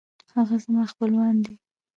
هغه زما خپلوان دی